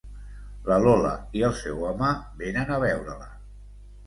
La Lola i el seu home vénen a veure-la.